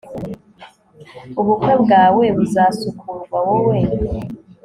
ubukwe bwawe buzasukurwa wowe